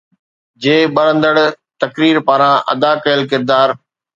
جي ٻرندڙ تقرير پاران ادا ڪيل ڪردار